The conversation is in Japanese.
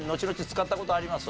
使った事あります？